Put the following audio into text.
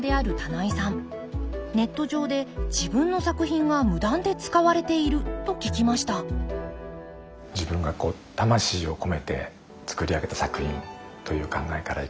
ネット上で自分の作品が無断で使われていると聞きました一方で是非そういう形でそっか。